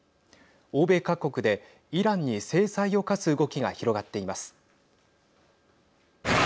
欧米各国でイランに制裁を科す動きが広がっています。